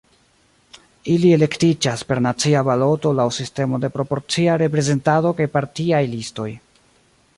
Ili elektiĝas per nacia baloto laŭ sistemo de proporcia reprezentado kaj partiaj listoj.